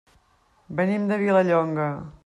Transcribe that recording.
Venim de Vilallonga.